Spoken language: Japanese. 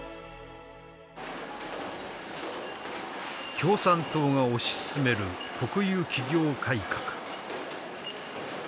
共産党が推し進める国有企業改革。